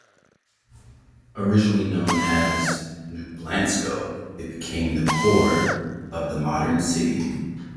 Originally known as 'New Blansko' it became the core of the modern city.